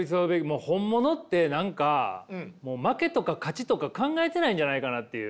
もう本物って何かもう負けとか勝ちとか考えてないんじゃないかなっていう。